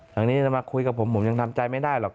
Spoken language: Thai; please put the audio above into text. ทางนี้จะมาคุยกับผมผมยังทำใจไม่ได้หรอก